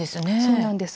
そうなんです。